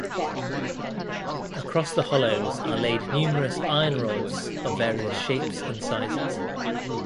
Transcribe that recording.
Across the hollows are laid numerous iron rods of various shapes and sizes.